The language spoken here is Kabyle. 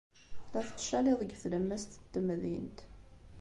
La tettcaliḍ deg tlemmast n temdint.